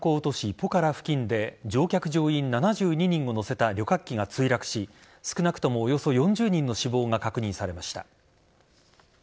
ポカラ付近で乗客・乗員７２人を乗せた旅客機が墜落し少なくともおよそ４０人の死亡が確認されました。